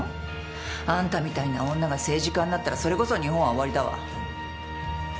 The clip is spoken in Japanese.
あんたみたいな女が政治家になったらそれこそ日本は終わりだわ。